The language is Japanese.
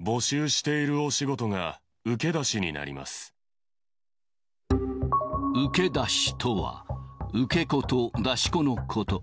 募集しているお仕事が受け出受け出しとは、受け子と出し子のこと。